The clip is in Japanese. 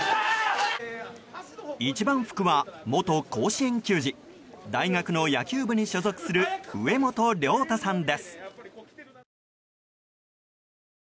一番福は元甲子園球児大学の野球部に所属する植本亮太さんです。